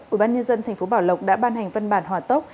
ubnd tp bảo lộc đã ban hành văn bản hòa tốc